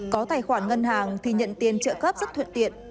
có tài khoản ngân hàng thì nhận tiền trợ cấp rất thuận tiện